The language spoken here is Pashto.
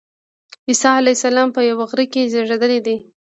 عیسی علیه السلام په یوه غار کې زېږېدلی دی.